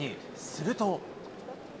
すると。